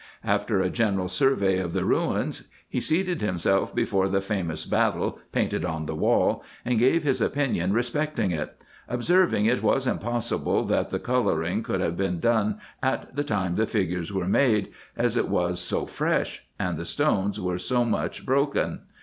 After a general survey of the ruins, he seated him self before the famous battle painted on the wall, and gave his opinion respecting it; observing, it was impossible that the co louring could have been done at the time the figures were made, as it was so fresh, and the stones were so much broken.